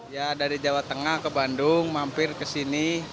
ya dari jawa tengah ke bandung mampir ke sini